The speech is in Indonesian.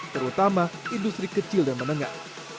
terutama industri kecil dan menengah